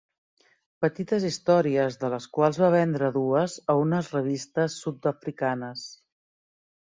Petites històries de les quals va vendre dues a unes revistes sud-africanes.